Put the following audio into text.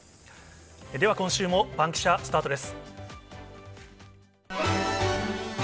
では今週もバンキシャ、スタートです。